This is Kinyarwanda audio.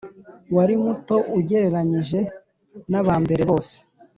wari muto ugereranyije n’abambere bose